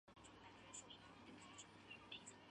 反应连接了两个羰基底物化合物。